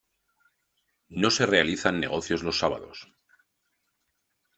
No se realizan negocios los sábados.